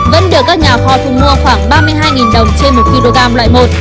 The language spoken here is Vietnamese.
vẫn được các nhà kho thu mua khoảng ba mươi hai đồng trên một kg loại một